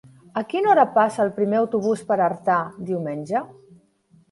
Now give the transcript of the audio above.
A quina hora passa el primer autobús per Artà diumenge?